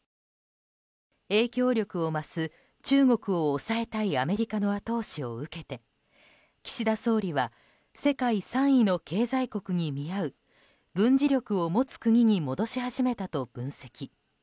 影響力を増す中国を抑えたいアメリカの後押しを受けて岸田総理は世界３位の経済国に見合う軍事力を持つ国に戻し始めたと分析。